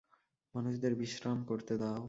মানুষদের বিশ্রাম করতে দাও।